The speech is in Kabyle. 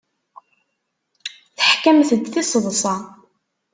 Teḥkamt-d tiseḍsa.